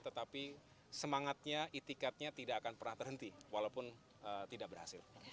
tetapi semangatnya itikatnya tidak akan pernah terhenti walaupun tidak berhasil